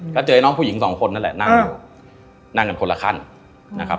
ก็เจอน้องผู้หญิงสองคนนั่นแหละนั่งอยู่นั่งกันคนละขั้นนะครับ